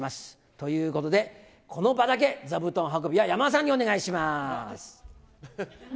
ということで、この場だけ、座布団運びは山田さんにお願いします。